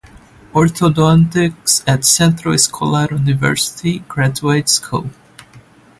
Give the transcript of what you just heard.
Orthodontics at Centro Escolar University Graduate School.